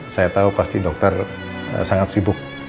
saya tahu pasti dokter sangat sibuk